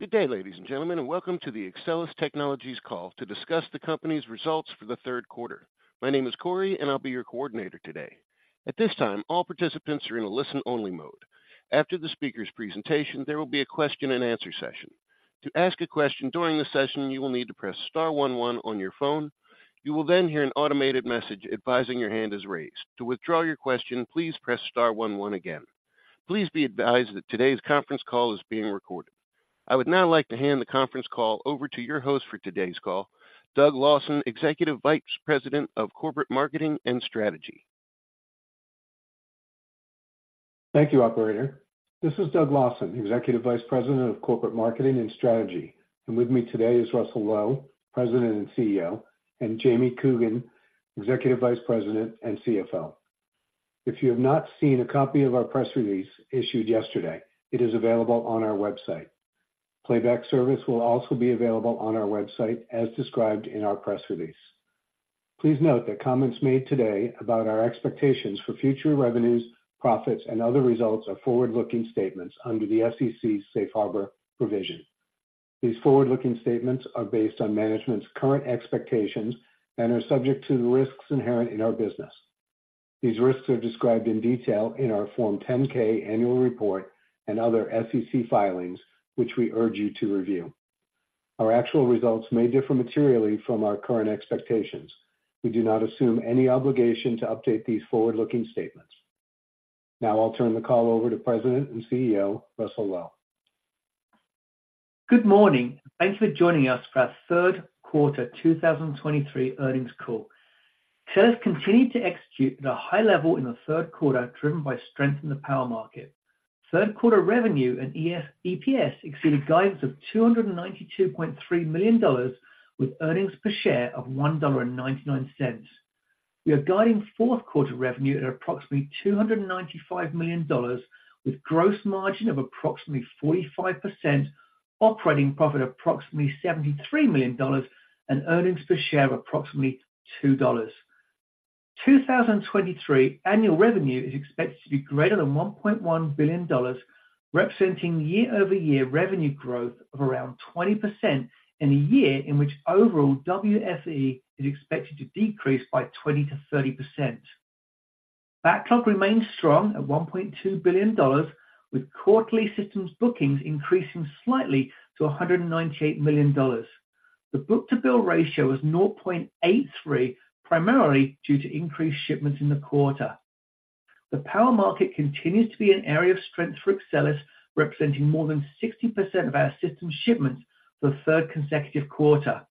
Good day, ladies and gentlemen, and welcome to the Axcelis Technologies call to discuss the company's results for the third quarter. My name is Corey, and I'll be your coordinator today. At this time, all participants are in a listen-only mode. After the speaker's presentation, there will be a question-and-answer session. To ask a question during the session, you will need to press star one one on your phone. You will then hear an automated message advising your hand is raised. To withdraw your question, please press star one one again. Please be advised that today's conference call is being recorded. I would now like to hand the conference call over to your host for today's call, Doug Lawson, Executive Vice President of Corporate Marketing and Strategy. Thank you, operator. This is Doug Lawson, Executive Vice President of Corporate Marketing and Strategy, and with me today is Russell Low, President and CEO, and Jamie Coogan, Executive Vice President and CFO. If you have not seen a copy of our press release issued yesterday, it is available on our website. Playback service will also be available on our website, as described in our press release. Please note that comments made today about our expectations for future revenues, profits, and other results are forward-looking statements under the SEC's safe harbor provision. These forward-looking statements are based on management's current expectations and are subject to the risks inherent in our business. These risks are described in detail in our Form 10-K annual report and other SEC filings, which we urge you to review. Our actual results may differ materially from our current expectations. We do not assume any obligation to update these forward-looking statements. Now I'll turn the call over to President and CEO, Russell Low. Good morning, and thank you for joining us for our third quarter 2023 earnings call. Axcelis continued to execute at a high level in the third quarter, driven by strength in the power market. Third quarter revenue and EPS exceeded guidance of $292.3 million, with earnings per share of $1.99. We are guiding fourth quarter revenue at approximately $295 million, with gross margin of approximately 45%, operating profit approximately $73 million, and earnings per share of approximately $2. 2023 annual revenue is expected to be greater than $1.1 billion, representing year-over-year revenue growth of around 20% in a year in which overall WFE is expected to decrease by 20%-30%. Backlog remains strong at $1.2 billion, with quarterly systems bookings increasing slightly to $198 million. The book-to-bill ratio is 0.83, primarily due to increased shipments in the quarter. The power market continues to be an area of strength for Axcelis, representing more than 60% of our system shipments for the third consecutive quarter.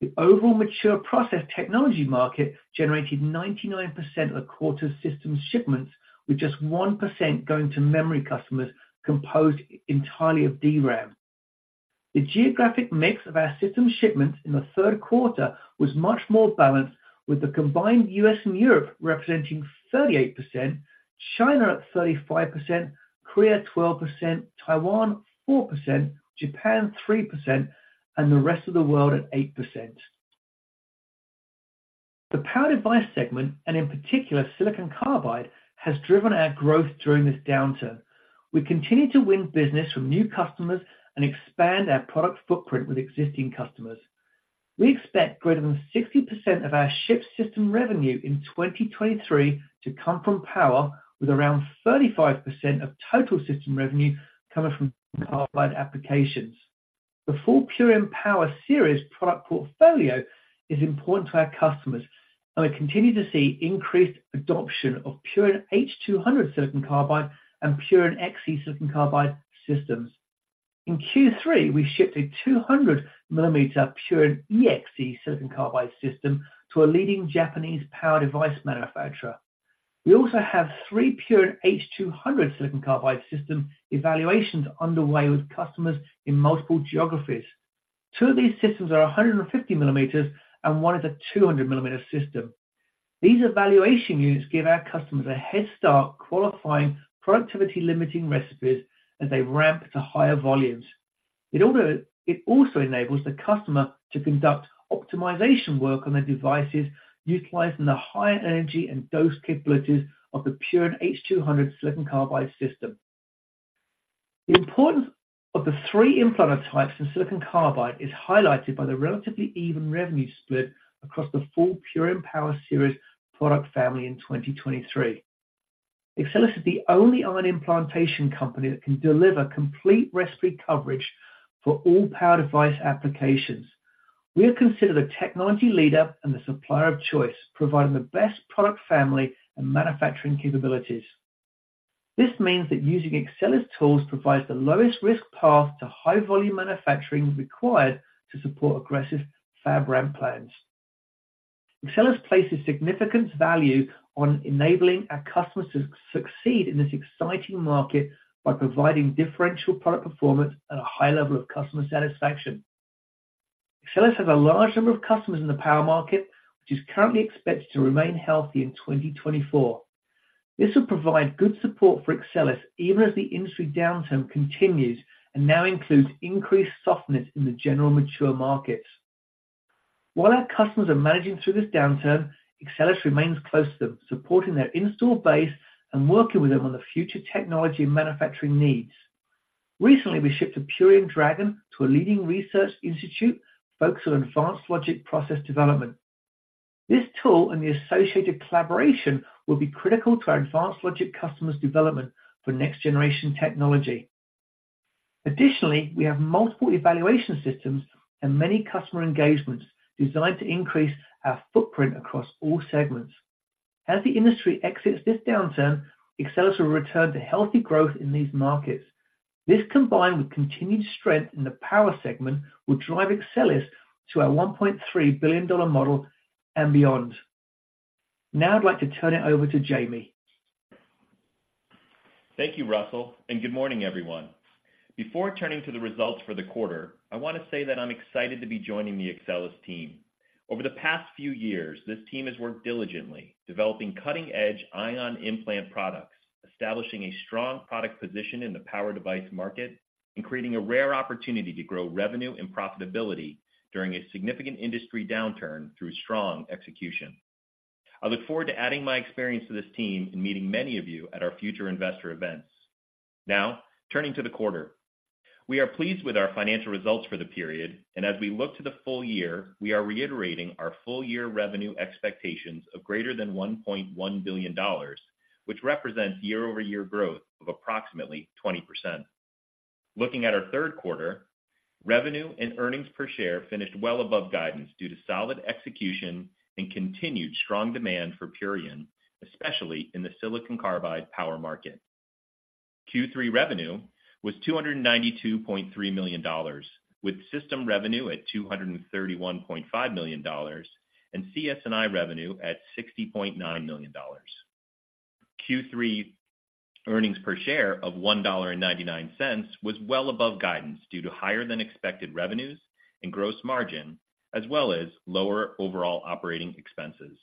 The overall mature process technology market generated 99% of the quarter's system shipments, with just 1% going to memory customers, composed entirely of DRAM. The geographic mix of our system shipments in the third quarter was much more balanced, with the combined U.S. and Europe representing 38%, China at 35%, Korea 12%, Taiwan 4%, Japan 3%, and the rest of the world at 8%. The power device segment, and in particular, silicon carbide, has driven our growth during this downturn. We continue to win business from new customers and expand our product footprint with existing customers. We expect greater than 60% of our shipped system revenue in 2023 to come from power, with around 35% of total system revenue coming from carbide applications. The full Purion Power Series product portfolio is important to our customers, and we continue to see increased adoption of Purion H200 silicon carbide and Purion XE silicon carbide systems. In Q3, we shipped a 200 millimeter Purion XE silicon carbide system to a leading Japanese power device manufacturer. We also have three Purion H200 silicon carbide system evaluations underway with customers in multiple geographies. Two of these systems are 150 millimeters, and one is a 200 millimeter system. These evaluation units give our customers a head start qualifying productivity-limiting recipes as they ramp to higher volumes. It also enables the customer to conduct optimization work on their devices, utilizing the higher energy and dose capabilities of the Purion H200 silicon carbide system. The importance of the three implant types in silicon carbide is highlighted by the relatively even revenue split across the full Purion Power Series product family in 2023. Axcelis is the only ion implantation company that can deliver complete recipe coverage for all power device applications. We are considered a technology leader and the supplier of choice, providing the best product family and manufacturing capabilities. This means that using Axcelis tools provides the lowest risk path to high volume manufacturing required to support aggressive fab ramp plans. Axcelis places significant value on enabling our customers to succeed in this exciting market by providing differential product performance at a high level of customer satisfaction. Axcelis has a large number of customers in the power market, which is currently expected to remain healthy in 2024. This will provide good support for Axcelis even as the industry downturn continues and now includes increased softness in the general mature markets... While our customers are managing through this downturn, Axcelis remains close to them, supporting their installed base and working with them on the future technology and manufacturing needs. Recently, we shipped a Purion Dragon to a leading research institute focused on advanced logic process development. This tool and the associated collaboration will be critical to our advanced logic customers' development for next-generation technology. Additionally, we have multiple evaluation systems and many customer engagements designed to increase our footprint across all segments. As the industry exits this downturn, Axcelis will return to healthy growth in these markets. This, combined with continued strength in the power segment, will drive Axcelis to our $1.3 billion model and beyond. Now I'd like to turn it over to Jamie. Thank you, Russell, and good morning, everyone. Before turning to the results for the quarter, I want to say that I'm excited to be joining the Axcelis team. Over the past few years, this team has worked diligently, developing cutting-edge ion implant products, establishing a strong product position in the power device market, and creating a rare opportunity to grow revenue and profitability during a significant industry downturn through strong execution. I look forward to adding my experience to this team and meeting many of you at our future investor events. Now, turning to the quarter. We are pleased with our financial results for the period, and as we look to the full year, we are reiterating our full-year revenue expectations of greater than $1.1 billion, which represents year-over-year growth of approximately 20%. Looking at our third quarter, revenue and earnings per share finished well above guidance due to solid execution and continued strong demand for Purion, especially in the silicon carbide power market. Q3 revenue was $292.3 million, with system revenue at $231.5 million, and CS&I revenue at $60.9 million. Q3 earnings per share of $1.99 was well above guidance due to higher-than-expected revenues and gross margin, as well as lower overall operating expenses.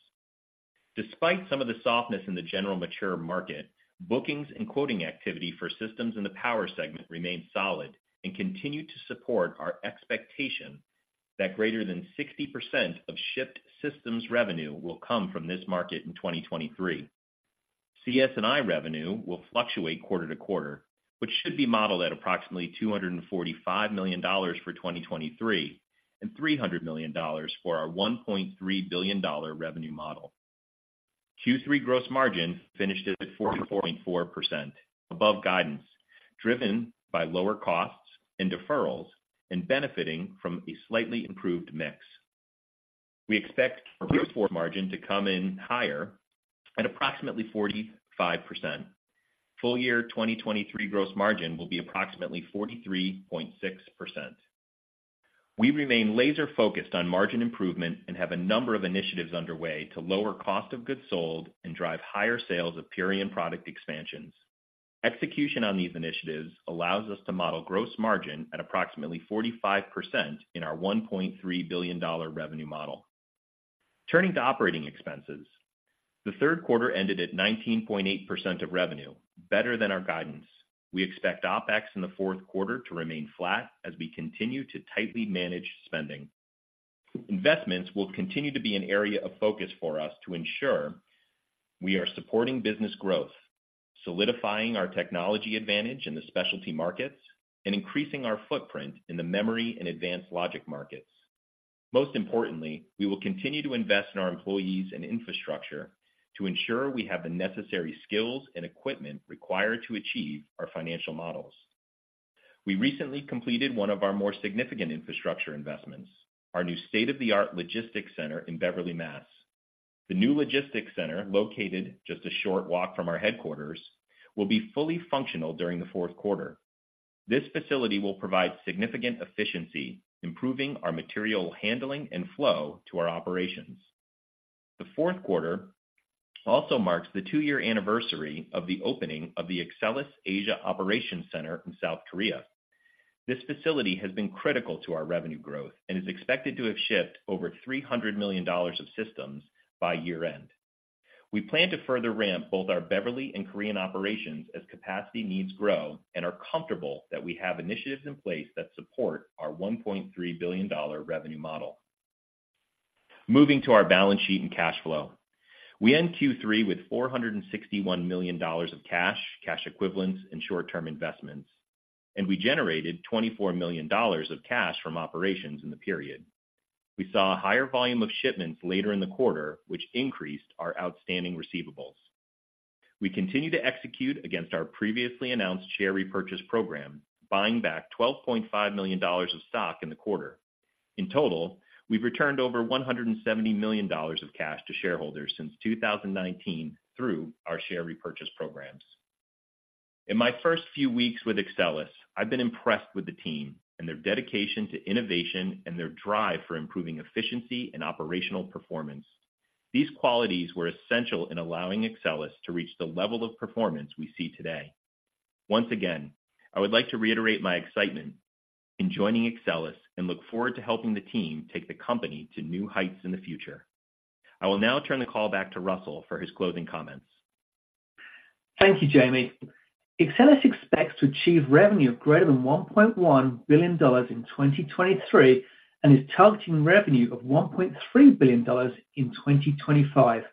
Despite some of the softness in the general mature market, bookings and quoting activity for systems in the power segment remained solid and continued to support our expectation that greater than 60% of shipped systems revenue will come from this market in 2023. CS&I revenue will fluctuate quarter to quarter, which should be modeled at approximately $245 million for 2023, and $300 million for our $1.3 billion revenue model. Q3 gross margin finished at 44.4%, above guidance, driven by lower costs and deferrals and benefiting from a slightly improved mix. We expect our Q4 margin to come in higher at approximately 45%. Full year 2023 gross margin will be approximately 43.6%. We remain laser-focused on margin improvement and have a number of initiatives underway to lower cost of goods sold and drive higher sales of Purion product expansions. Execution on these initiatives allows us to model gross margin at approximately 45% in our $1.3 billion revenue model. Turning to operating expenses, the third quarter ended at 19.8% of revenue, better than our guidance. We expect OpEx in the fourth quarter to remain flat as we continue to tightly manage spending. Investments will continue to be an area of focus for us to ensure we are supporting business growth, solidifying our technology advantage in the specialty markets, and increasing our footprint in the memory and advanced logic markets. Most importantly, we will continue to invest in our employees and infrastructure to ensure we have the necessary skills and equipment required to achieve our financial models. We recently completed one of our more significant infrastructure investments, our new state-of-the-art logistics center in Beverly, Massachusetts. The new logistics center, located just a short walk from our headquarters, will be fully functional during the fourth quarter. This facility will provide significant efficiency, improving our material handling and flow to our operations. The fourth quarter also marks the two-year anniversary of the opening of the Axcelis Asia Operations Center in South Korea. This facility has been critical to our revenue growth and is expected to have shipped over $300 million of systems by year-end. We plan to further ramp both our Beverly and Korean operations as capacity needs grow and are comfortable that we have initiatives in place that support our $1.3 billion revenue model. Moving to our balance sheet and cash flow. We end Q3 with $461 million of cash, cash equivalents, and short-term investments, and we generated $24 million of cash from operations in the period. We saw a higher volume of shipments later in the quarter, which increased our outstanding receivables. We continue to execute against our previously announced share repurchase program, buying back $12.5 million of stock in the quarter. In total, we've returned over $170 million of cash to shareholders since 2019 through our share repurchase programs. In my first few weeks with Axcelis, I've been impressed with the team and their dedication to innovation and their drive for improving efficiency and operational performance. These qualities were essential in allowing Axcelis to reach the level of performance we see today. Once again, I would like to reiterate my excitement in joining Axcelis and look forward to helping the team take the company to new heights in the future. I will now turn the call back to Russell for his closing comments.... Thank you, Jamie. Axcelis expects to achieve revenue of greater than $1.1 billion in 2023, and is targeting revenue of $1.3 billion in 2025.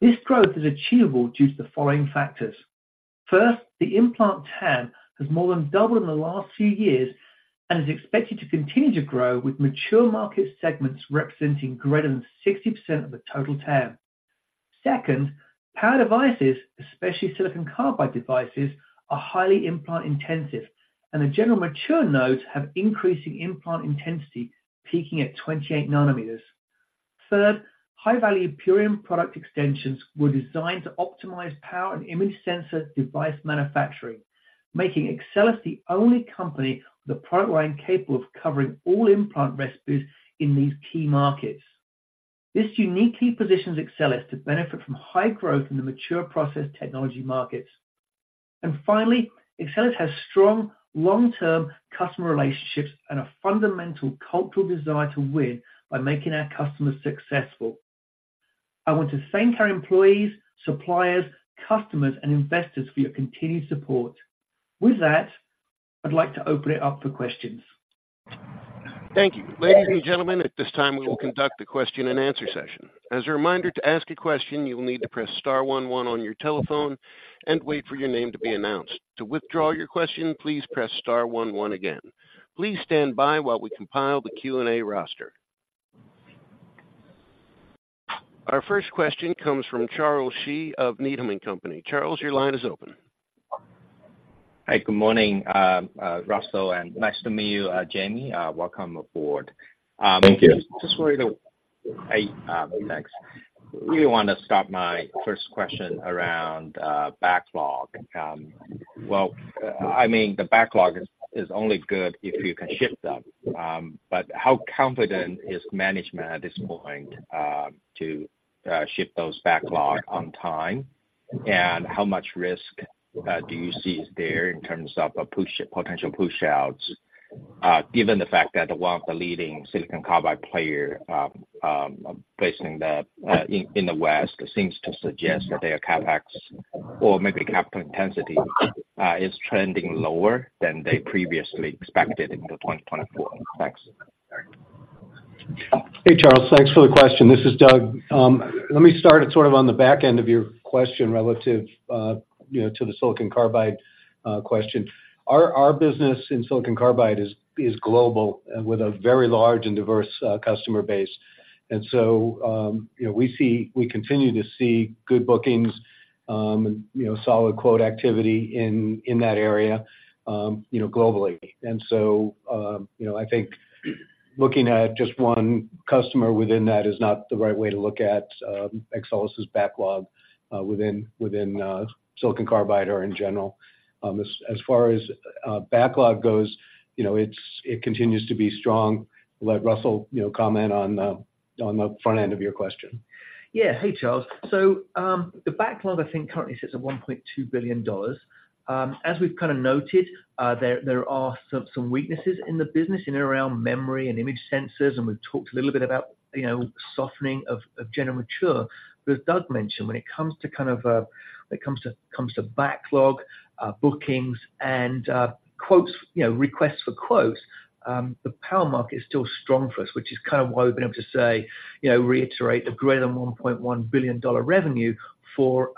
This growth is achievable due to the following factors: First, the implant TAM has more than doubled in the last few years and is expected to continue to grow, with mature market segments representing greater than 60% of the total TAM. Second, power devices, especially silicon carbide devices, are highly implant-intensive, and the general mature nodes have increasing implant intensity, peaking at 28 nanometers. Third, high-value Purion product extensions were designed to optimize power and image sensor device manufacturing, making Axcelis the only company with a product line capable of covering all implant recipes in these key markets. This uniquely positions Axcelis to benefit from high growth in the mature process technology markets. And finally, Axcelis has strong long-term customer relationships and a fundamental cultural desire to win by making our customers successful. I want to thank our employees, suppliers, customers, and investors for your continued support. With that, I'd like to open it up for questions. Thank you. Ladies and gentlemen, at this time, we will conduct the question-and-answer session. As a reminder, to ask a question, you will need to press star one one on your telephone and wait for your name to be announced. To withdraw your question, please press star one one again. Please stand by while we compile the Q&A roster. Our first question comes from Charles Shi of Needham & Company. Charles, your line is open. Hi, good morning, Russell, and nice to meet you, Jamie. Welcome aboard. Thank you. Just wanted to, thanks. Really want to start my first question around backlog. I mean, the backlog is only good if you can ship them. But how confident is management at this point to ship those backlog on time? And how much risk do you see is there in terms of push, potential push outs, given the fact that one of the leading silicon carbide players in the West seems to suggest that their CapEx or maybe capital intensity is trending lower than they previously expected in 2024? Thanks. Hey, Charles, thanks for the question. This is Doug. Let me start sort of on the back end of your question, relative, you know, to the silicon carbide question. Our business in silicon carbide is global and with a very large and diverse customer base. And so, you know, we see—we continue to see good bookings, and, you know, solid quote activity in, in that area, you know, globally. And so, you know, I think looking at just one customer within that is not the right way to look at, Axcelis's backlog, within, within silicon carbide or in general. As far as backlog goes, you know, it's, it continues to be strong. Let Russell, you know, comment on the, on the front end of your question. Yeah. Hey, Charles. So, the backlog, I think, currently sits at $1.2 billion. As we've kind of noted, there are some weaknesses in the business in and around memory and image sensors, and we've talked a little bit about, you know, softening of general mature. But as Doug mentioned, when it comes to backlog, bookings and quotes, you know, requests for quotes, the power market is still strong for us, which is kind of why we've been able to say, you know, reiterate a greater than $1.1 billion revenue for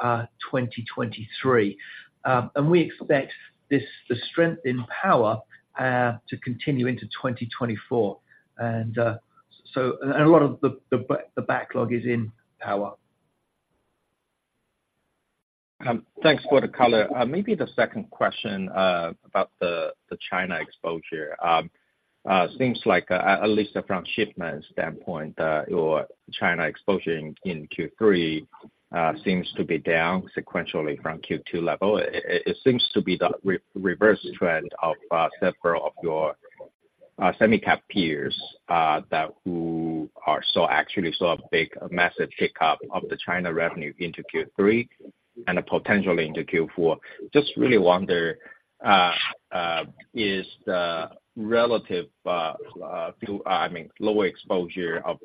2023. And we expect this, the strength in power, to continue into 2024. And so, and a lot of the backlog is in power. Thanks for the color. Maybe the second question about the China exposure. Seems like at least from a shipment standpoint your China exposure in Q3 seems to be down sequentially from Q2 level. It seems to be the reverse trend of several of your semi-cap peers that actually saw a big, massive pickup of the China revenue into Q3 and potentially into Q4. Just really wonder is the relative I mean lower exposure of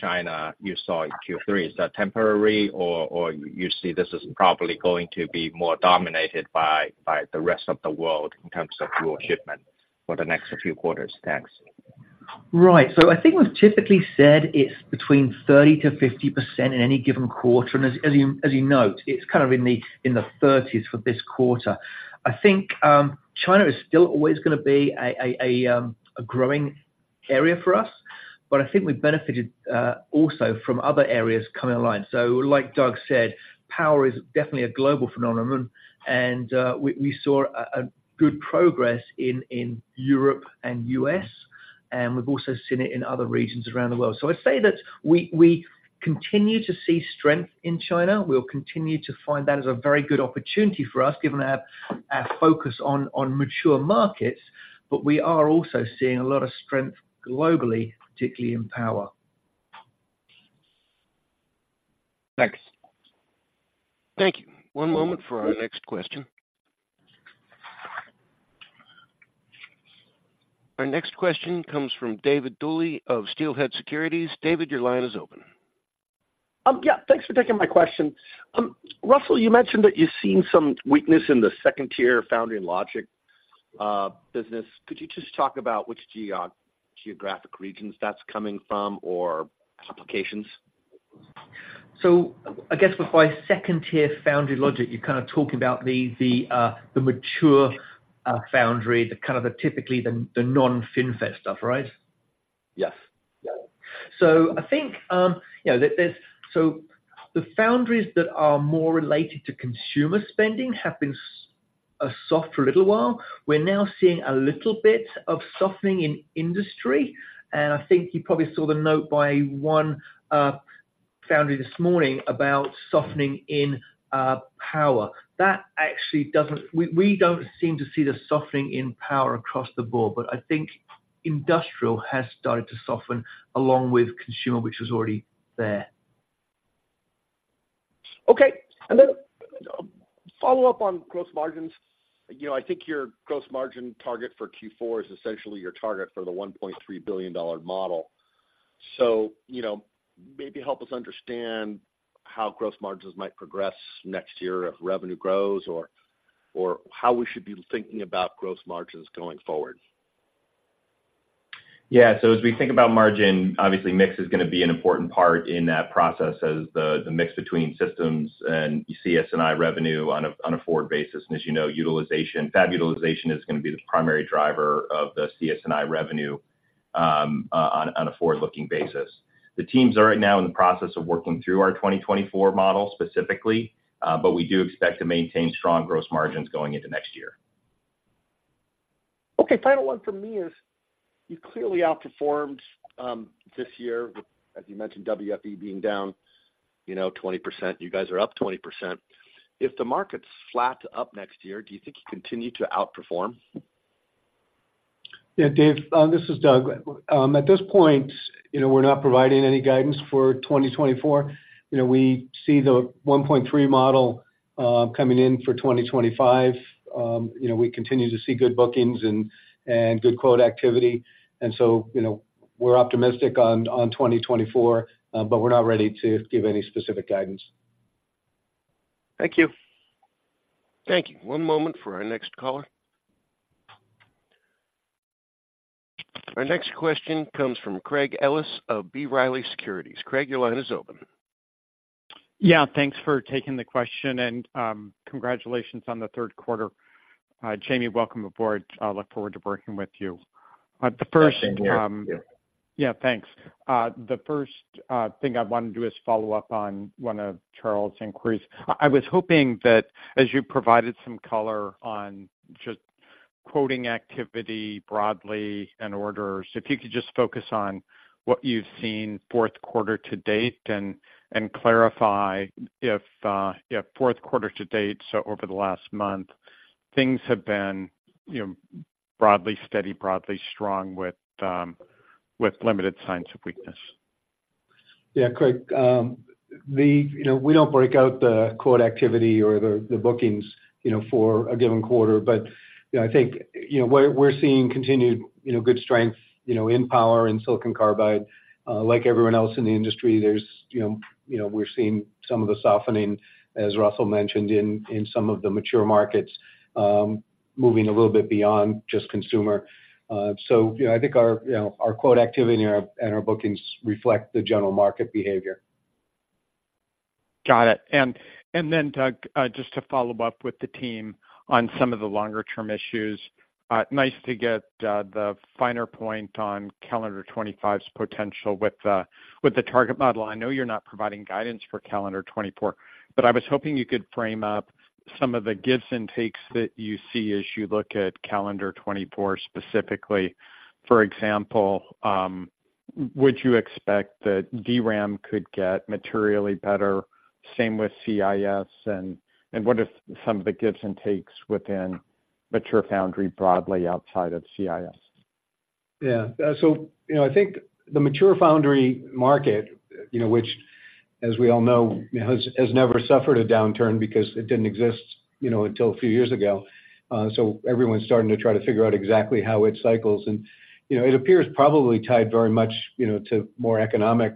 China you saw in Q3, is that temporary, or you see this is probably going to be more dominated by the rest of the world in terms of your shipment for the next few quarters? Thanks. Right. So I think we've typically said it's between 30%-50% in any given quarter, and as you note, it's kind of in the thirties for this quarter. I think, China is still always gonna be a growing area for us, but I think we benefited also from other areas coming online. So like Doug said, power is definitely a global phenomenon, and we saw a good progress in Europe and U.S., and we've also seen it in other regions around the world. So I'd say that we continue to see strength in China. We'll continue to find that as a very good opportunity for us, given our focus on mature markets, but we are also seeing a lot of strength globally, particularly in power. Thanks. Thank you. One moment for our next question. Our next question comes from David Duley of Steelhead Securities. David, your line is open. Yeah, thanks for taking my question. Russell, you mentioned that you've seen some weakness in the second-tier foundry and logic business. Could you just talk about which geographic regions that's coming from or applications? So I guess by second-tier foundry logic, you're kind of talking about the mature foundry, the kind of typically the non-FinFET stuff, right? Yes. So I think, you know, that there's so the foundries that are more related to consumer spending have been soft for a little while. We're now seeing a little bit of softening in industry, and I think you probably saw the note by one foundry this morning about softening in power. That actually doesn't we, we don't seem to see the softening in power across the board, but I think industrial has started to soften along with consumer, which was already there. Okay. Then, follow up on gross margins. You know, I think your gross margin target for Q4 is essentially your target for the $1.3 billion model. So, you know, maybe help us understand how gross margins might progress next year if revenue grows, or, or how we should be thinking about gross margins going forward. Yeah. So as we think about margin, obviously mix is gonna be an important part in that process as the mix between systems and CS&I revenue on a forward basis. And as you know, utilization, fab utilization is gonna be the primary driver of the CS&I revenue on a forward-looking basis. The teams are right now in the process of working through our 2024 model specifically, but we do expect to maintain strong gross margins going into next year. Okay, final one for me is, you clearly outperformed this year, as you mentioned, WFE being down, you know, 20%. You guys are up 20%. If the market's flat to up next year, do you think you continue to outperform? Yeah, Dave, this is Doug. At this point, you know, we're not providing any guidance for 2024. You know, we see the 1.3 model coming in for 2025. You know, we continue to see good bookings and good quote activity, and so, you know, we're optimistic on 2024, but we're not ready to give any specific guidance. Thank you. Thank you. One moment for our next caller. Our next question comes from Craig Ellis of B. Riley Securities. Craig, your line is open. Yeah, thanks for taking the question, and, congratulations on the third quarter. Jamie, welcome aboard. I look forward to working with you. The first, Thank you. Yeah, thanks. The first thing I want to do is follow up on one of Charles' inquiries. I was hoping that as you provided some color on just quoting activity broadly and orders, if you could just focus on what you've seen fourth quarter to date, and clarify if fourth quarter to date, so over the last month, things have been, you know, broadly steady, broadly strong, with limited signs of weakness. Yeah, Craig, You know, we don't break out the quote activity or the, the bookings, you know, for a given quarter, but, you know, I think, you know, we're, we're seeing continued, you know, good strength, you know, in power and silicon carbide. Like everyone else in the industry, there's, you know, you know, we're seeing some of the softening, as Russell mentioned, in, in some of the mature markets, moving a little bit beyond just consumer. So, you know, I think our, you know, our quote activity and our, and our bookings reflect the general market behavior. Got it. And then, Doug, just to follow up with the team on some of the longer-term issues, nice to get the finer point on calendar 2025's potential with the, with the target model. I know you're not providing guidance for calendar 2024, but I was hoping you could frame up some of the gives and takes that you see as you look at calendar 2024 specifically. For example, would you expect that DRAM could get materially better? Same with CIS, and what if some of the gives and takes within mature foundry broadly outside of CIS? Yeah. So, you know, I think the mature foundry market, you know, which, as we all know, has, has never suffered a downturn because it didn't exist, you know, until a few years ago. So everyone's starting to try to figure out exactly how it cycles. And, you know, it appears probably tied very much, you know, to more economic,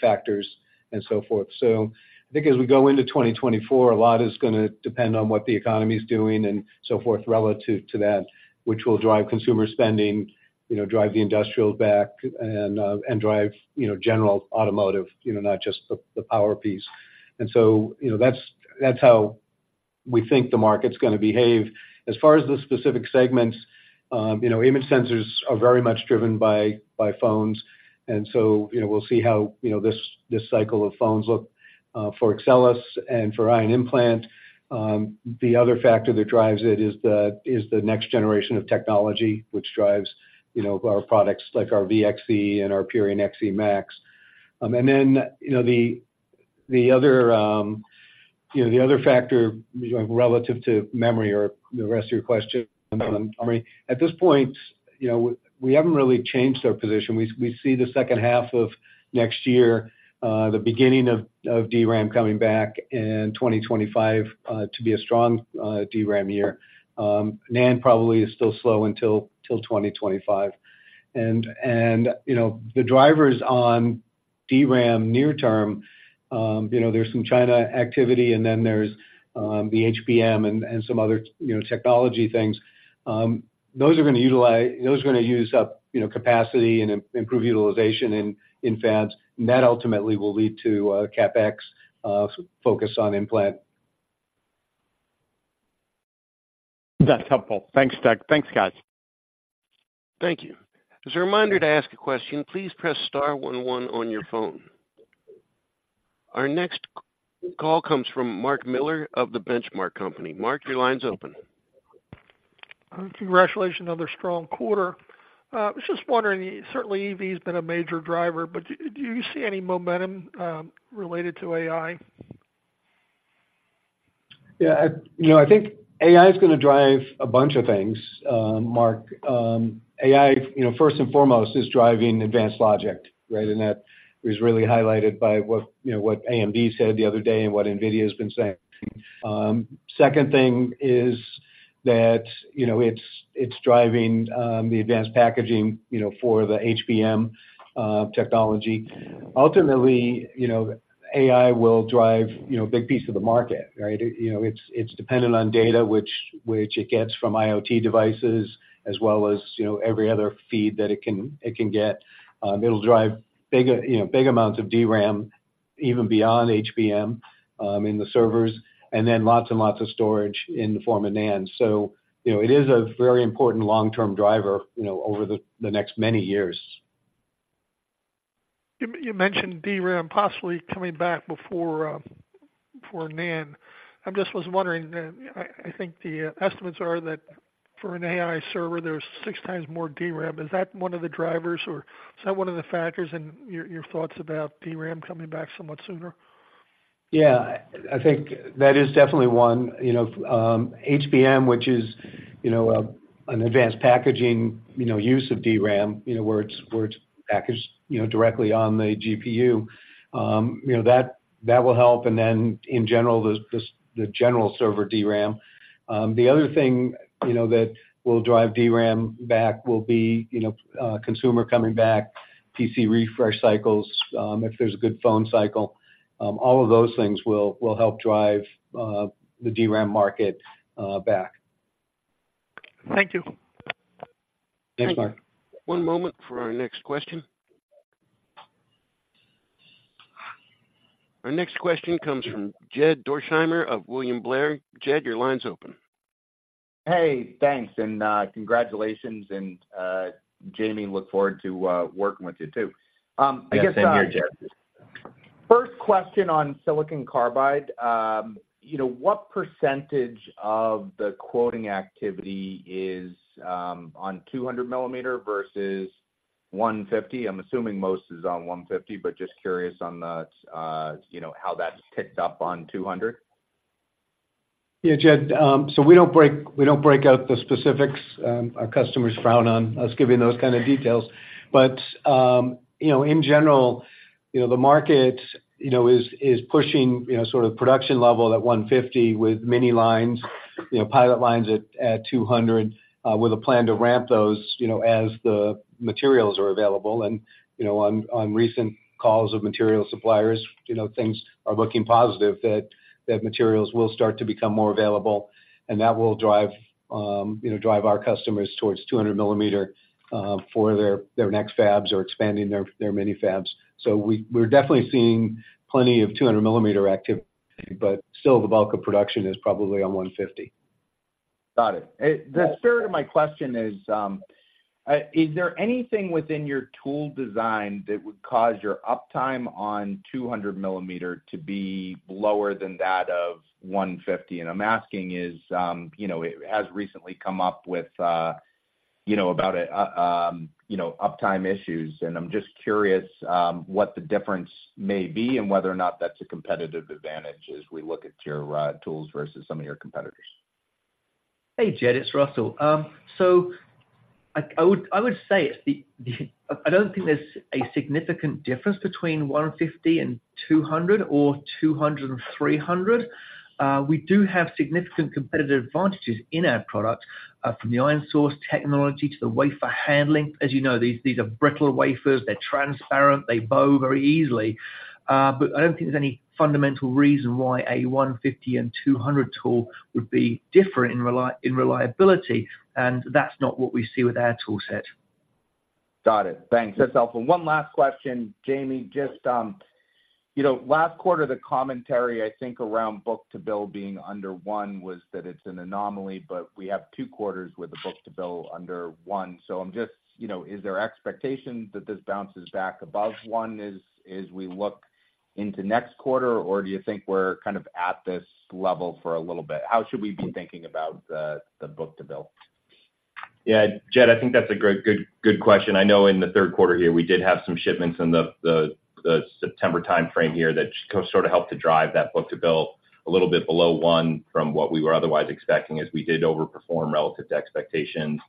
factors and so forth. So I think as we go into 2024, a lot is gonna depend on what the economy's doing and so forth, relative to that, which will drive consumer spending, you know, drive the industrial back and, and drive, you know, general automotive, you know, not just the, the power piece. And so, you know, that's, that's how we think the market's gonna behave. As far as the specific segments, you know, image sensors are very much driven by phones, and so, you know, we'll see how, you know, this cycle of phones look, for Axcelis and for ion implant. The other factor that drives it is the next generation of technology, which drives, you know, our products like our VXE and our Purion XEmax. And then, you know, the other factor relative to memory or the rest of your question, I mean, at this point, you know, we haven't really changed our position. We see the second half of next year, the beginning of DRAM coming back in 2025, to be a strong DRAM year. NAND probably is still slow until 2025. You know, the drivers on DRAM near term, you know, there's some China activity, and then there's the HBM and some other, you know, technology things. Those are gonna utilize those are gonna use up, you know, capacity and improve utilization in fabs, and that ultimately will lead to CapEx focus on implant. That's helpful. Thanks, Doug. Thanks, guys. Thank you. As a reminder, to ask a question, please press star one one on your phone. Our next call comes from Mark Miller of the Benchmark Company. Mark, your line's open. Congratulations, another strong quarter. I was just wondering, certainly, EV has been a major driver, but do you see any momentum related to AI? Yeah, you know, I think AI is gonna drive a bunch of things, Mark. AI, you know, first and foremost, is driving advanced logic, right? And that is really highlighted by what, you know, what AMD said the other day and what NVIDIA has been saying. Second thing is that, you know, it's driving the advanced packaging, you know, for the HBM technology. Ultimately, you know, AI will drive a big piece of the market, right? You know, it's dependent on data, which it gets from IoT devices, as well as, you know, every other feed that it can get. It'll drive big amounts of DRAM, even beyond HBM, in the servers, and then lots and lots of storage in the form of NAND. You know, it is a very important long-term driver, you know, over the next many years. You mentioned DRAM possibly coming back before NAND. I just was wondering, I think the estimates are that for an AI server, there's 6 times more DRAM. Is that one of the drivers or is that one of the factors in your thoughts about DRAM coming back somewhat sooner? Yeah, I think that is definitely one. You know, HBM, which is, you know, an advanced packaging, you know, use of DRAM, you know, where it's, where it's packaged, you know, directly on the GPU, you know, that, that will help, and then in general, the, the general server DRAM. The other thing, you know, that will drive DRAM back will be, you know, consumer coming back, PC refresh cycles, if there's a good phone cycle, all of those things will, will help drive, the DRAM market, back. Thank you. Thanks, Mark. One moment for our next question. Our next question comes from Jed Dorsheimer of William Blair. Jed, your line's open. Hey, thanks, and, congratulations, and, Jamie, look forward to, working with you, too. I guess- Yeah, same here, Jed. First question on silicon carbide. You know, what percentage of the quoting activity is on 200 millimeter versus 150? I'm assuming most is on 150, but just curious on the, you know, how that's ticked up on 200. Yeah, Jed, so we don't break out the specifics. Our customers frown on us giving those kind of details. But, you know, in general, you know, the market, you know, is pushing, you know, sort of production level at 150 with many lines, you know, pilot lines at 200 with a plan to ramp those, you know, as the materials are available. And, you know, on recent calls of material suppliers, you know, things are looking positive that materials will start to become more available, and that will drive, you know, our customers towards 200 millimeter for their next fabs or expanding their mini fabs. So we're definitely seeing plenty of 200 millimeter activity, but still the bulk of production is probably on 150. Got it. The third of my question is, is there anything within your tool design that would cause your uptime on 200 millimeter to be lower than that of 150? And I'm asking is, you know, it has recently come up with, you know, about it, uptime issues, and I'm just curious, what the difference may be and whether or not that's a competitive advantage as we look at your, tools versus some of your competitors. Hey, Jed, it's Russell. So, I would say it's the. I don't think there's a significant difference between 150 and 200 or 200 and 300. We do have significant competitive advantages in our product, from the ion source technology to the wafer handling. As you know, these are brittle wafers, they're transparent, they bow very easily. But I don't think there's any fundamental reason why a 150 and 200 tool would be different in reliability, and that's not what we see with our tool set. Got it. Thanks, Russell. One last question, Jamie. Just, you know, last quarter, the commentary, I think, around book-to-bill being under one was that it's an anomaly, but we have two quarters with the book-to-bill under one. So I'm just... You know, is there expectation that this bounces back above one as we look into next quarter, or do you think we're kind of at this level for a little bit? How should we be thinking about the book-to-bill? Yeah, Jed, I think that's a great, good, good question. I know in the third quarter here, we did have some shipments in the September timeframe here that sort of helped to drive that book-to-bill a little bit below one from what we were otherwise expecting, as we did overperform relative to expectations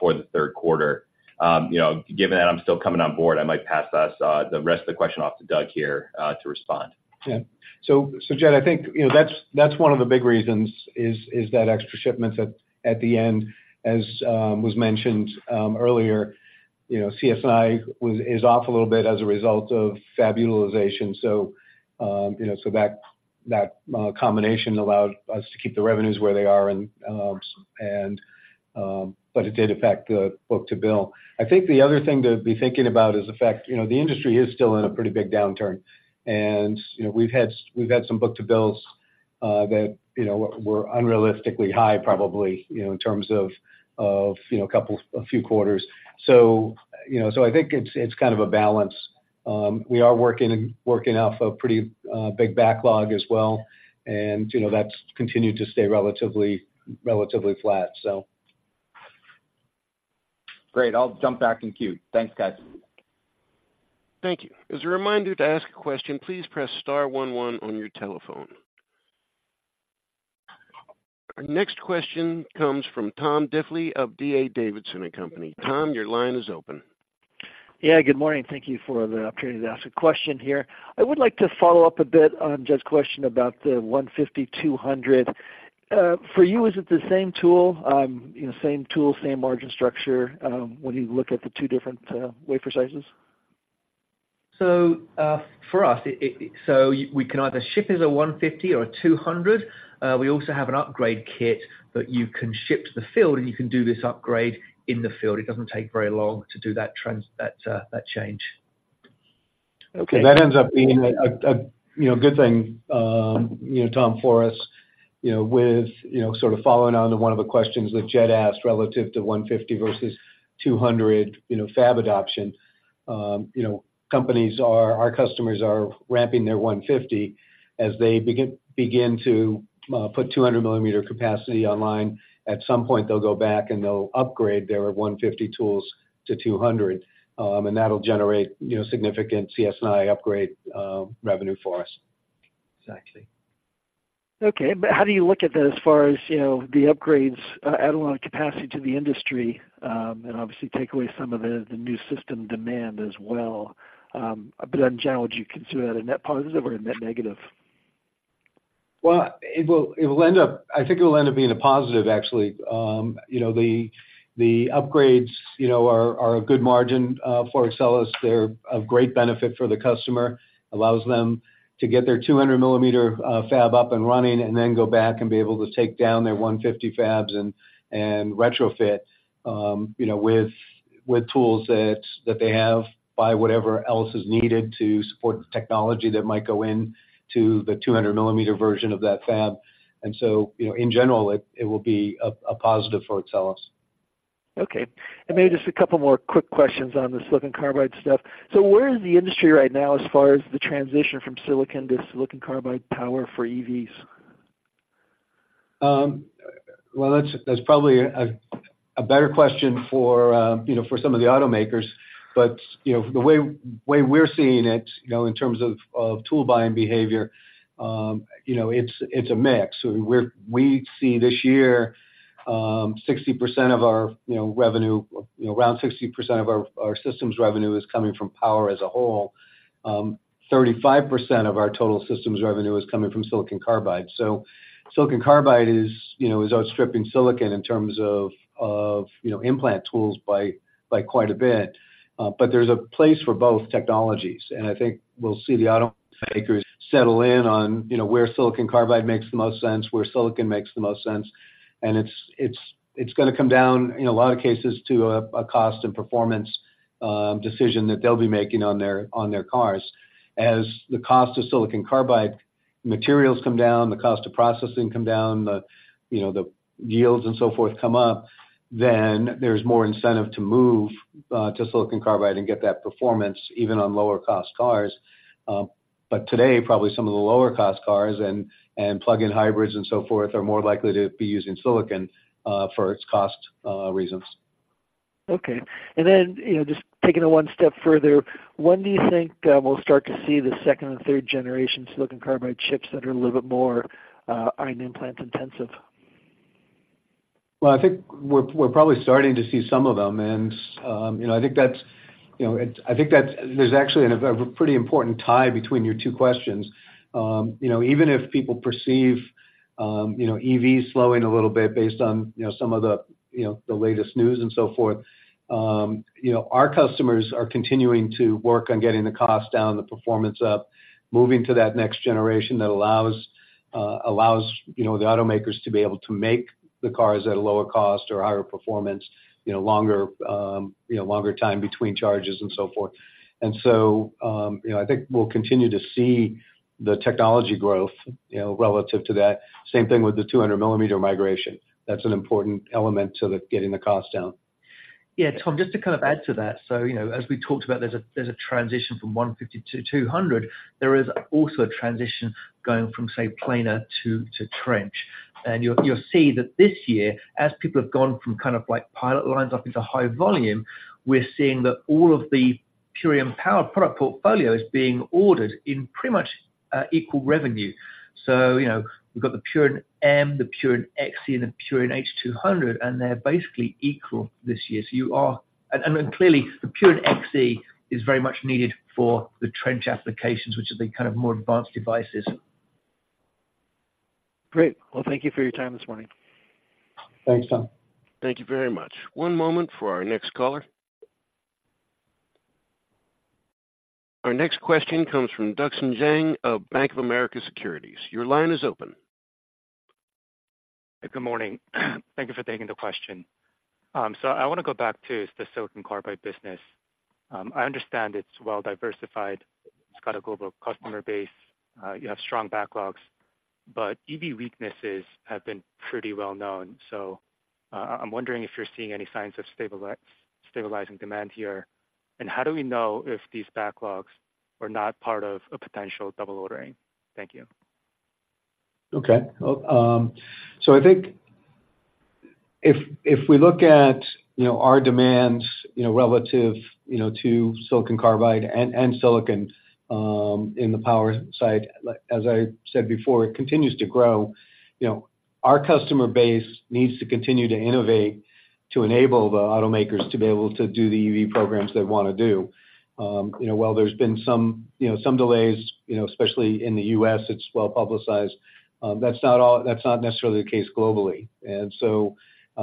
for the third quarter. You know, given that I'm still coming on board, I might pass that the rest of the question off to Doug here to respond. Yeah. So, Jed, I think, you know, that's one of the big reasons is that extra shipments at the end, as was mentioned earlier, you know, CS&I is off a little bit as a result of fab utilization. So, you know, that combination allowed us to keep the revenues where they are, and, but it did affect the book-to-bill. I think the other thing to be thinking about is the fact, you know, the industry is still in a pretty big downturn, and, you know, we've had some book-to-bills that, you know, were unrealistically high, probably, you know, in terms of a couple, a few quarters. So, you know, so I think it's kind of a balance. We are working off a pretty big backlog as well, and, you know, that's continued to stay relatively flat, so. Great. I'll jump back in queue. Thanks, guys. Thank you. As a reminder, to ask a question, please press star one one on your telephone. Our next question comes from Tom Diffely of D.A. Davidson and Company. Tom, your line is open. Yeah, good morning. Thank you for the opportunity to ask a question here. I would like to follow up a bit on Jed's question about the 150, 200. For you, is it the same tool, you know, same margin structure, when you look at the two different wafer sizes? So, for us, we can either ship as a 150 or a 200. We also have an upgrade kit that you can ship to the field, and you can do this upgrade in the field. It doesn't take very long to do that change. Okay. That ends up being a you know good thing, you know, Tom, for us, you know, with, you know, sort of following on to one of the questions that Jed asked relative to 150 versus 200, you know, fab adoption. You know, our customers are ramping their 150 as they begin to put 200 millimeter capacity online. At some point, they'll go back, and they'll upgrade their 150 tools to 200, and that'll generate, you know, significant CS&I upgrade revenue for us. Exactly. Okay. But how do you look at that as far as, you know, the upgrades, adding on capacity to the industry, and obviously take away some of the new system demand as well? But in general, would you consider that a net positive or a net negative? Well, it will, it will end up, I think it will end up being a positive, actually. You know, the, the upgrades, you know, are, are a good margin for Axcelis. They're of great benefit for the customer, allows them to get their 200 millimeter fab up and running, and then go back and be able to take down their 150 fabs and retrofit, you know, with, with tools that, that they have, buy whatever else is needed to support the technology that might go in to the 200 millimeter version of that fab. And so, you know, in general, it, it will be a, a positive for Axcelis. Okay. Maybe just a couple more quick questions on the silicon carbide stuff. Where is the industry right now, as far as the transition from silicon to silicon carbide power for EVs? Well, that's probably a better question for, you know, for some of the automakers, but, you know, the way we're seeing it, you know, in terms of tool buying behavior, you know, it's a mix. So we see this year, you know, around 60% of our systems revenue is coming from power as a whole. 35% of our total systems revenue is coming from silicon carbide. So silicon carbide is, you know, outstripping silicon in terms of, you know, implant tools by quite a bit. But there's a place for both technologies, and I think we'll see the automakers settle in on, you know, where silicon carbide makes the most sense, where silicon makes the most sense. And it's gonna come down, in a lot of cases, to a cost and performance decision that they'll be making on their cars. As the cost of silicon carbide materials come down, the cost of processing come down, you know, the yields and so forth come up, then there's more incentive to move to silicon carbide and get that performance, even on lower cost cars. But today, probably some of the lower cost cars and plug-in hybrids and so forth, are more likely to be using silicon for its cost reasons. Okay. And then, you know, just taking it one step further, when do you think we'll start to see the second and third generation silicon carbide chips that are a little bit more ion implant intensive? Well, I think we're probably starting to see some of them, and, you know, I think that there's actually a pretty important tie between your two questions. You know, even if people perceive, you know, EVs slowing a little bit based on, you know, some of the, you know, the latest news and so forth, you know, our customers are continuing to work on getting the cost down, the performance up, moving to that next generation that allows, you know, the automakers to be able to make the cars at a lower cost or higher performance, you know, longer time between charges and so forth. And so, you know, I think we'll continue to see the technology growth, you know, relative to that. Same thing with the 200-millimeter migration. That's an important element to getting the cost down. Yeah, Tom, just to kind of add to that. So, you know, as we talked about, there's a transition from 150-200. There is also a transition going from, say, planar to trench. And you'll see that this year, as people have gone from kind of like pilot lines up into high volume, we're seeing that all of the Purion Power product portfolio is being ordered in pretty much equal revenue. So, you know, we've got the Purion M, the Purion XE, and the Purion H200, and they're basically equal this year. And clearly, the Purion XE is very much needed for the trench applications, which have been kind of more advanced devices. Great. Well, thank you for your time this morning. Thanks, Tom. Thank you very much. One moment for our next caller. Our next question comes from Duksan Jang of Bank of America Securities. Your line is open. Good morning. Thank you for taking the question. So I want to go back to the silicon carbide business. I understand it's well diversified, it's got a global customer base, you have strong backlogs, but EV weaknesses have been pretty well known. So, I'm wondering if you're seeing any signs of stabilizing demand here, and how do we know if these backlogs are not part of a potential double ordering? Thank you. Okay. Well, so I think if we look at, you know, our demands, you know, relative, you know, to silicon carbide and silicon, in the power side, like as I said before, it continues to grow. You know, our customer base needs to continue to innovate, to enable the automakers to be able to do the EV programs they want to do. You know, while there's been some, you know, some delays, you know, especially in the U.S., it's well-publicized, that's not all - that's not necessarily the case globally. And so,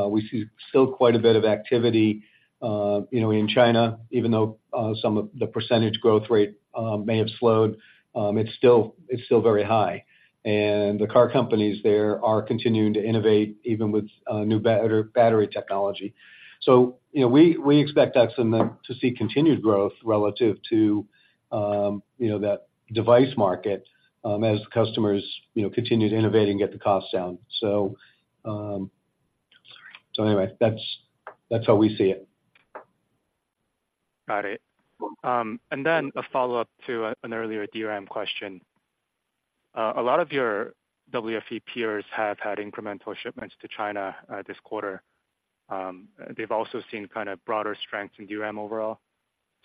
we see still quite a bit of activity, you know, in China, even though some of the percentage growth rate may have slowed, it's still, it's still very high. And the car companies there are continuing to innovate, even with new better battery technology. So you know, we, we expect that from them to see continued growth relative to, you know, that device market, as customers, you know, continue to innovate and get the costs down. So, so anyway, that's, that's how we see it. Got it. And then a follow-up to an earlier DRAM question. A lot of your WFE peers have had incremental shipments to China this quarter. They've also seen kind of broader strength in DRAM overall.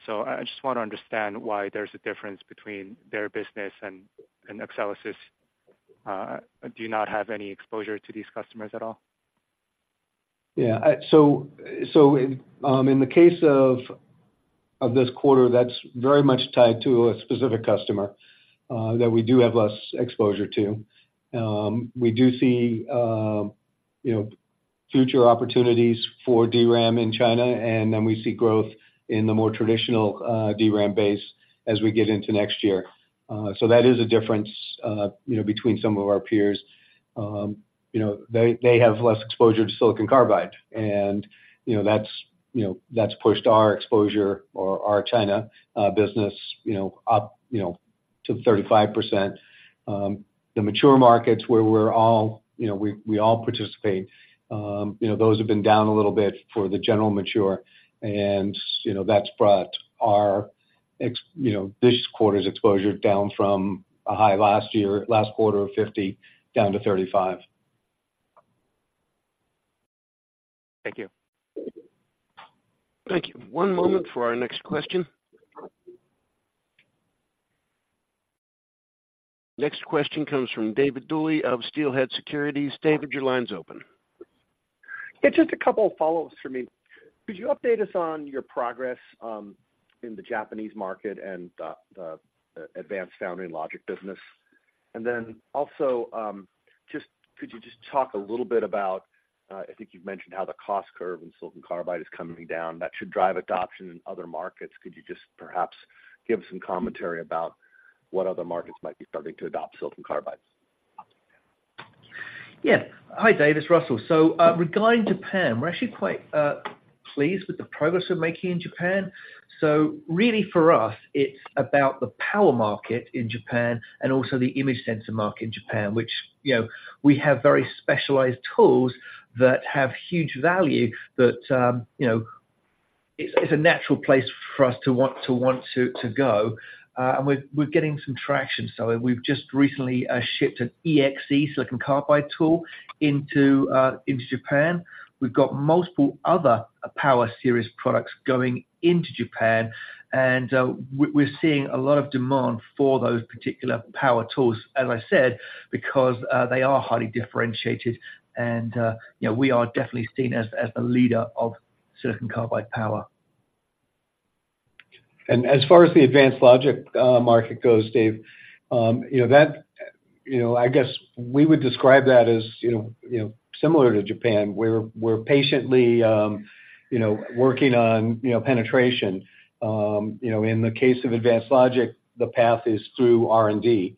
So I just want to understand why there's a difference between their business and Axcelis. Do you not have any exposure to these customers at all? Yeah. So, in the case of this quarter, that's very much tied to a specific customer that we do have less exposure to. We do see, you know, future opportunities for DRAM in China, and then we see growth in the more traditional DRAM base as we get into next year. So that is a difference, you know, between some of our peers. You know, they have less exposure to silicon carbide, and that's pushed our exposure or our China business, you know, up to 35%. The mature markets where we're all, you know, we all participate, you know, those have been down a little bit for the general mature and that's brought our ex... You know, this quarter's exposure down from a high last year, last quarter of 50 down to 35. Thank you. Thank you. One moment for our next question. Next question comes from David Duley of Steelhead Securities. David, your line's open. Yeah, just a couple of follow-ups for me. Could you update us on your progress in the Japanese market and the advanced foundry logic business? And then also, just, could you just talk a little bit about, I think you've mentioned how the cost curve in silicon carbide is coming down. That should drive adoption in other markets. Could you just perhaps give some commentary about what other markets might be starting to adopt silicon carbide? Yeah. Hi, David, it's Russell. So, regarding Japan, we're actually quite pleased with the progress we're making in Japan. So really, for us, it's about the power market in Japan and also the image sensor market in Japan, which, you know, we have very specialized tools that have huge value that, you know, it's a natural place for us to want to go, and we're getting some traction. So we've just recently shipped an EXE silicon carbide tool into Japan. We've got multiple other power series products going into Japan, and we're seeing a lot of demand for those particular power tools, as I said, because they are highly differentiated and, you know, we are definitely seen as the leader of silicon carbide power. As far as the advanced logic market goes, Dave, you know, that, you know, I guess we would describe that as, you know, you know, similar to Japan, where we're patiently, you know, working on, you know, penetration. You know, in the case of advanced logic, the path is through R&D.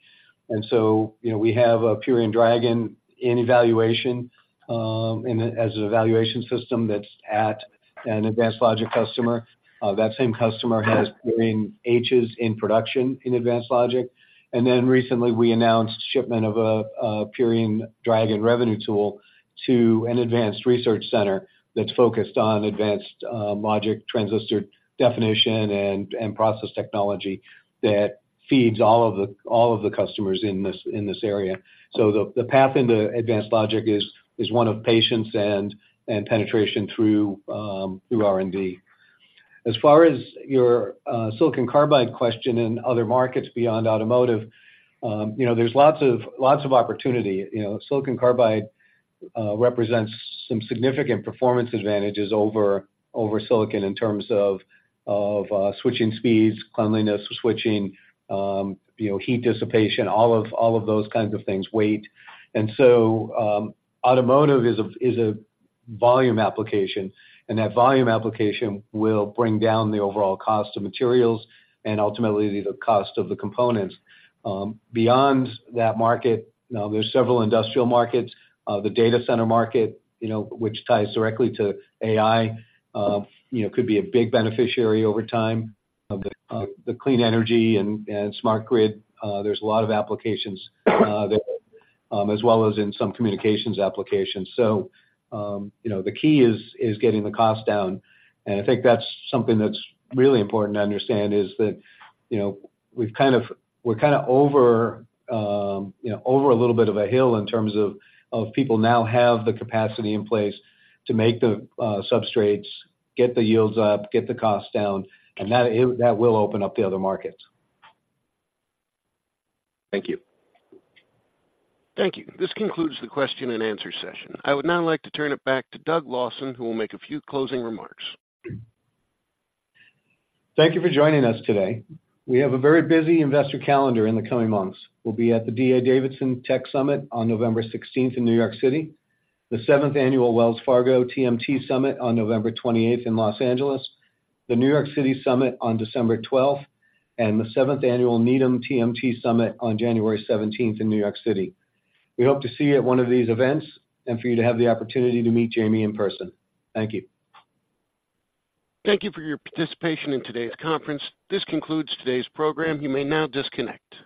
And so, you know, we have a Purion Dragon in evaluation as an evaluation system that's at an advanced logic customer. That same customer has Purion H's in production in advanced logic. And then recently, we announced shipment of a Purion Dragon revenue tool to an advanced research center that's focused on advanced logic, transistor definition, and process technology that feeds all of the, all of the customers in this, in this area. So the path into advanced logic is one of patience and penetration through R&D. As far as your silicon carbide question in other markets beyond automotive, you know, there's lots of opportunity. You know, silicon carbide represents some significant performance advantages over silicon in terms of switching speeds, cleanliness, switching, you know, heat dissipation, all of those kinds of things, weight. And so, automotive is a volume application, and that volume application will bring down the overall cost of materials and ultimately the cost of the components. Beyond that market, now, there's several industrial markets. The data center market, you know, which ties directly to AI, you know, could be a big beneficiary over time. The clean energy and smart grid, there's a lot of applications there, as well as in some communications applications. So, you know, the key is getting the cost down, and I think that's something that's really important to understand, is that, you know, we're kind of over a little bit of a hill in terms of people now have the capacity in place to make the substrates, get the yields up, get the costs down, and that will open up the other markets. Thank you. Thank you. This concludes the question and answer session. I would now like to turn it back to Doug Lawson, who will make a few closing remarks. Thank you for joining us today. We have a very busy investor calendar in the coming months. We'll be at the D.A. Davidson Tech Summit on November 16th in New York City, the Seventh Annual Wells Fargo TMT Summit on November 28th in Los Angeles, the New York City Summit on December 12th, and the Seventh Annual Needham TMT Summit on January 17th in New York City. We hope to see you at one of these events and for you to have the opportunity to meet Jamie in person. Thank you. Thank you for your participation in today's conference. This concludes today's program. You may now disconnect.